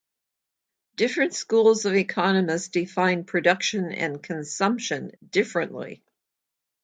Different schools of economists define production and consumption differently.